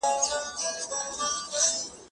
زه پاکوالي ساتلي دي؟!